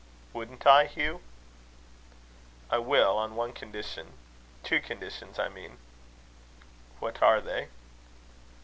"Wouldn't I, Hugh?" "I will, on one condition two conditions, I mean." "What are they?"